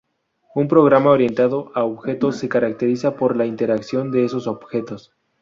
Un programa orientado a objetos se caracteriza por la interacción de esos objetos.